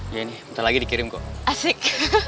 ya ini bentar lagi dikirim kok asik